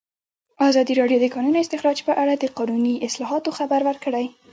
ازادي راډیو د د کانونو استخراج په اړه د قانوني اصلاحاتو خبر ورکړی.